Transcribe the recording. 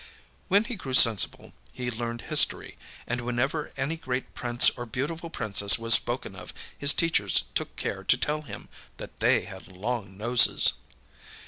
When he grew sensible he learned history; and whenever any great prince or beautiful princess was spoken of, his teachers took care to tell him that they had long noses.